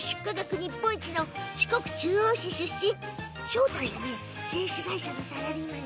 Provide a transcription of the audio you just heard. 日本一の四国中央市出身正体は製紙会社のサラリーマン。